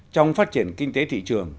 trong phát triển kinh tế thị trường